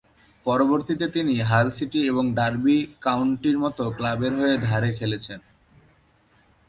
পরবর্তীতে তিনি Hull City এবং ডার্বি কাউন্টির মতো ক্লাবের হয়ে ধারে খেলেছেন।